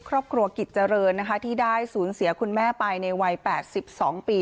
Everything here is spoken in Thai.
ครอบครัวกิจเจริญนะคะที่ได้สูญเสียคุณแม่ไปในวัย๘๒ปี